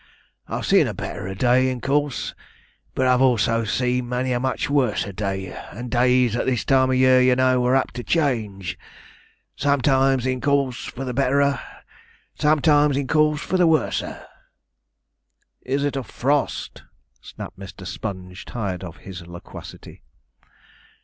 I've seen a betterer day, in course; but I've also seen many a much worser day, and days at this time of year, you know, are apt to change sometimes, in course, for the betterer sometimes, in course, for the worser.' 'Is it a frost?' snapped Mr. Sponge, tired of his loquacity.